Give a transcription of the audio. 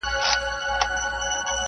• پر ټول ښار باندي تیاره د شپې خپره وه -